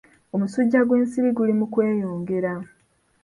Omusujja gw'ensiri guli mu kweyongera.